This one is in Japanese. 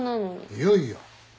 いやいや。